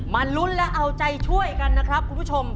ลุ้นและเอาใจช่วยกันนะครับคุณผู้ชม